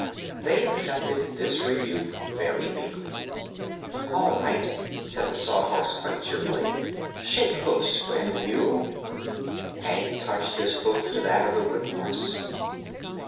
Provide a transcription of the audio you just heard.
They accepted this rebuke very meekly. "All right," said the Sawhorse, quite cheerfully; "shake hoofs, friend Mule." Hank touched his hoof to that of the wooden horse.